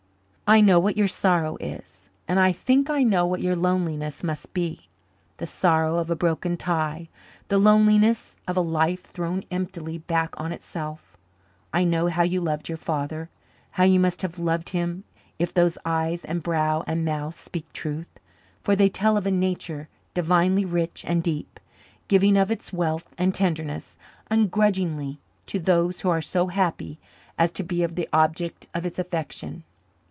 I know what your sorrow is, and I think I know what your loneliness must be the sorrow of a broken tie, the loneliness of a life thrown emptily back on itself. I know how you loved your father how you must have loved him if those eyes and brow and mouth speak truth, for they tell of a nature divinely rich and deep, giving of its wealth and tenderness ungrudgingly to those who are so happy as to be the objects of its affection.